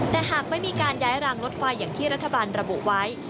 แต่หากไม่มีการย้ายรางรถไฟอย่างที่รัฐบาลระบุไว้